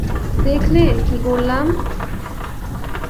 দেখলে কী করলাম?